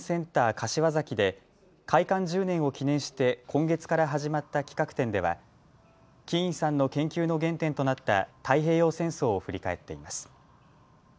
柏崎で開館１０年を記念して今月から始まった企画展ではキーンさんの研究の原点となった太平洋戦争を振り返っています。